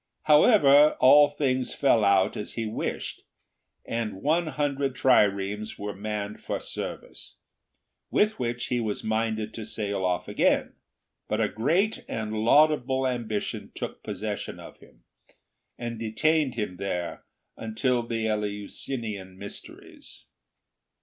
However, all things fell out as he wished, and one hundred triremes were manned for service, with which he was minded to sail off again; but a great and laudable ambition took possession of him and detained him there until the Eleusinian mysteries.